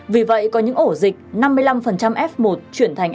vì vậy có những ổ dịch năm mươi năm f một chuyển thành f hai